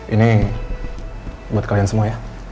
ini buat kalian semua ya